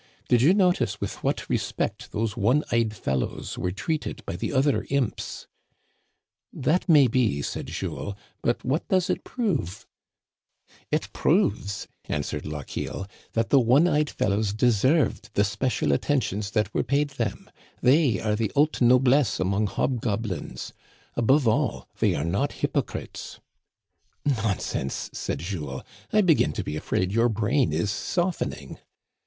Did you notice with what respect those one eyed fellows were treated by the other imps ?" "That may be," said Jules, "but what does it prove ?"" It proves," answered Lochiel, " that the one eyed fellows deserved the special attentions that were paid them ; they are the haute noblesse among hobgoblins. Above all they are not hjrpocrites." *' Nonsense," said Jules, "I begin to be afraid your brain is softening."